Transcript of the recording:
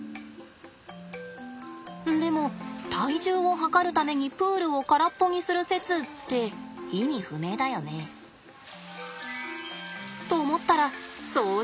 でも体重を量るためにプールを空っぽにする説って意味不明だよね。と思ったら掃除でした。